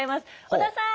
小田さん！